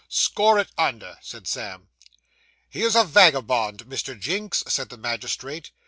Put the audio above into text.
'Score it under,' said Sam. 'He is a vagabond, Mr. Jinks,' said the magistrate.